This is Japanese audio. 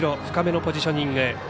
深めのポジショニング。